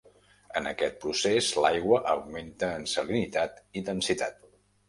En aquest procés, l'aigua augmenta en salinitat i densitat.